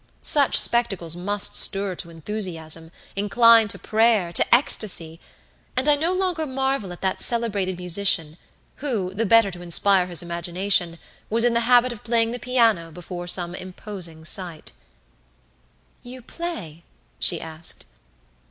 Such spectacles must stir to enthusiasm, incline to prayer, to ecstasy; and I no longer marvel at that celebrated musician who, the better to inspire his imagination, was in the habit of playing the piano before some imposing site." "You play?" she asked.